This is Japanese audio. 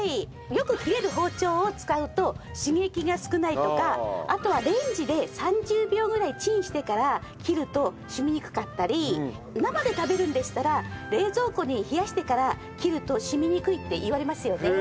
よく切れる包丁を使うと刺激が少ないとかあとはレンジで３０秒ぐらいチンしてから切ると染みにくかったり生で食べるんでしたら冷蔵庫で冷やしてから切ると染みにくいっていわれますよね。